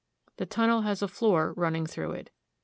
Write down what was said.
The tunnel has a floor running through it.